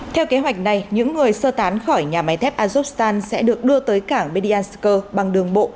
theo kế hoạch này những người sơ tán khỏi nhà máy thép azukstan sẽ được đưa tới cảng bedyansk bằng đường bộ